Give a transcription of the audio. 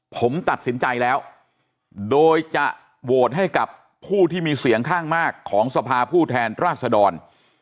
ผมตัดสินใจแล้วโดยจะโหวตให้กับผู้ที่มีเสียงข้างมากของสภาผู้แทนราชดร